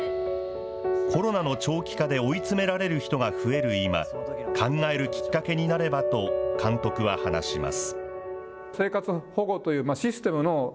コロナの長期化で追いつめられる人が増える今、考えるきっかけになればと、監督は話します。